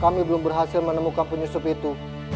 kami belum berhasil menemukan penyusup itu